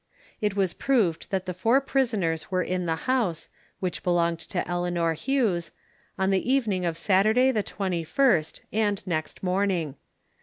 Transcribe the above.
It was proved that the four prisoners were in the house (which belonged to Eleanor Hughes) on the evening of Saturday, the 21st, and next morning.